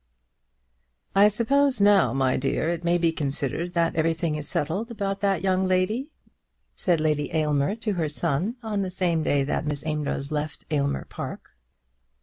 "I suppose now, my dear, it may be considered that everything is settled about that young lady," said Lady Aylmer to her son, on the same day that Miss Amedroz left Aylmer Park.